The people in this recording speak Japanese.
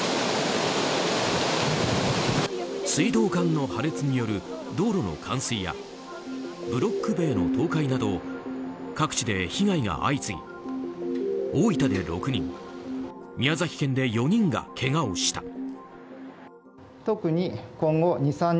水道管の破裂による道路の冠水やブロック塀の倒壊など各地で被害が相次ぎ大分で６人、宮崎県で４人がけがをした。